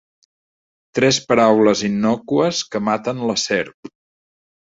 Tres paraules innòcues que maten la serp.